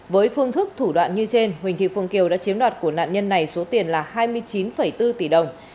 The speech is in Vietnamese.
với phương thức thủ đoạn như trên huỳnh thị phương kiều đã chiếm đoạt của nạn nhân này số tiền là hai mươi chín bốn tỷ đồng